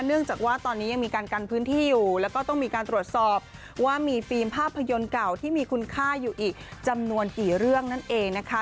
เนื่องจากว่าตอนนี้ยังมีการกันพื้นที่อยู่แล้วก็ต้องมีการตรวจสอบว่ามีฟิล์มภาพยนตร์เก่าที่มีคุณค่าอยู่อีกจำนวนกี่เรื่องนั่นเองนะคะ